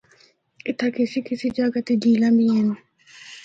اِتھا کسی کسی جگہ تے جھیلاں بھی ہن۔